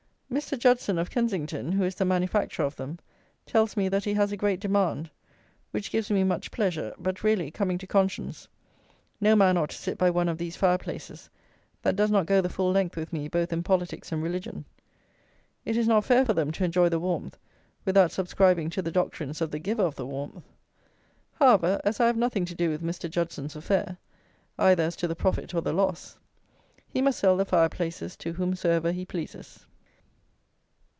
Mr. Judson of Kensington, who is the manufacturer of them, tells me that he has a great demand, which gives me much pleasure; but really, coming to conscience, no man ought to sit by one of these fire places that does not go the full length with me both in politics and religion. It is not fair for them to enjoy the warmth without subscribing to the doctrines of the giver of the warmth. However, as I have nothing to do with Mr. Judson's affair, either as to the profit or the loss, he must sell the fire places to whomsoever he pleases.